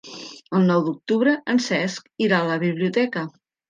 El nou d'octubre en Cesc irà a la biblioteca.